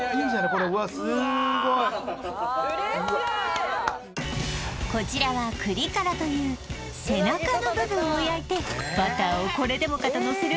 これわあすごいこちらはくりからという背中の部分を焼いてバターをこれでもかとのせる